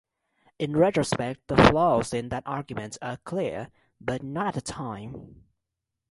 In retrospect the flaws in that argument are clear but not at the time.